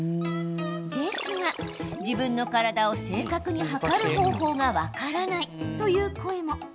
ですが自分の体を正確に測る方法が分からないという声も。